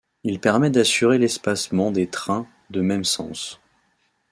Il permet d'assurer l'espacement des trains de même sens.